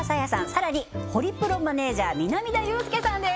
さらにホリプロマネージャー南田裕介さんです